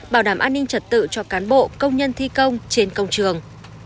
bảo đảm an ninh trật tự cho cán bộ công nhân thi công trên công trường